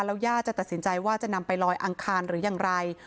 แล้วย่าจะตัดสินใจว่าจะนำไปลอยอังคารหรืออย่างไร